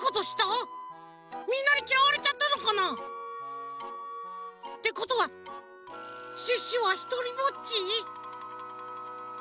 みんなにきらわれちゃったのかな？ってことはシュッシュはひとりぼっち？